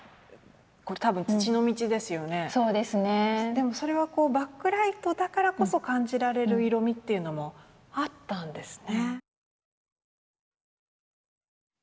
でもそれはこうバックライトだからこそ感じられる色みというのもあったんですね。